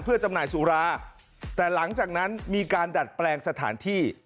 เพื่อจำหน่ายสุราแต่หลังจากนั้นมีการดัดแปลงสถานที่